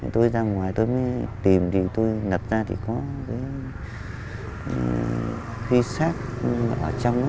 tôi ra ngoài tôi mới tìm thì tôi ngập ra thì có cái vi sát ở trong đó